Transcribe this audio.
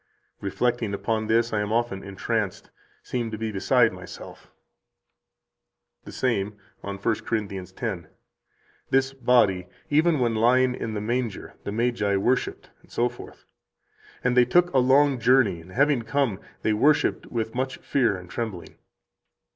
Reflecting upon this, I am often entranced [seem to be beside myself]." 87 The same on I Cor. 10 (p. 174, t. 6, p. 740, and t. 5, p. 261, ed. Frankf.): "This body, even when lying in the manger, the Magi worshiped, etc.; and they took a long journey; and having come, they worshiped with much fear and trembling."